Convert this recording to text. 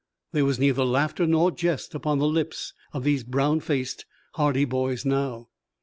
There was neither laughter nor jest upon the lips of these brown faced, hardy boys now.